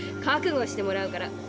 覚悟してもらうから。